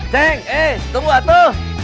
ceng eh tunggu waktu